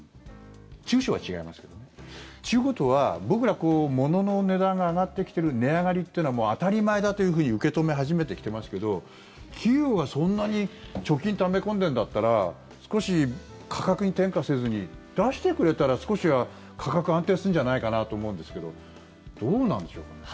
中小は違いますけどね。ということは僕らものの値段が上がってきている値上がりってのは当たり前だと受け止め始めてきてますけど企業がそんなに貯金ため込んでるんだったら少し価格に転嫁せずに出してくれたら少しは価格安定するんじゃないかなと思うんですけどどうなんでしょうかね？